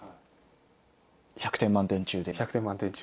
１００点満点中。